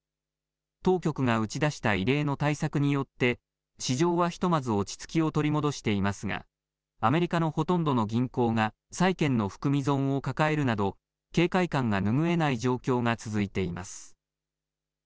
当局が打ち出した異例の対策によって市場はひとまず落ち着きを取り戻していますがアメリカのほとんどの銀行が債券の含み損を抱えるなど警戒感が拭えない状況が続いています。